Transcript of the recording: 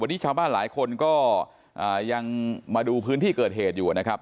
วันนี้ชาวบ้านหลายคนก็ยังมาดูพื้นที่เกิดเหตุอยู่นะครับ